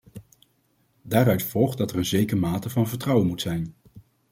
Daaruit volgt dat er een zekere mate van vertrouwen moet zijn.